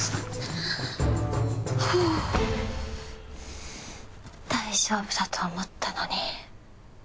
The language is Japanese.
ふぅ大丈夫だと思ったのに。